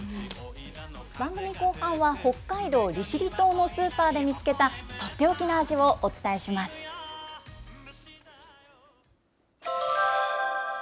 番組後半は、北海道利尻島のスーパーで見つけた取って置きな味をお伝えします。